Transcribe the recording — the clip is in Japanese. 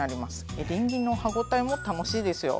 エリンギの歯ごたえも楽しいですよ。